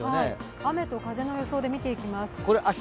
雨と風の予想で見ていきます。